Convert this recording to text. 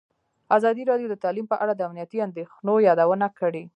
ازادي راډیو د تعلیم په اړه د امنیتي اندېښنو یادونه کړې.